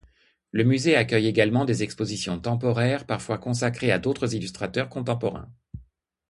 Le musée accueille également des expositions temporaires, parfois consacrées à d’autres illustrateurs contemporains.